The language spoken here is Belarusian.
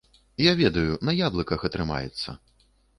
Я ведаю, на яблыках атрымаецца.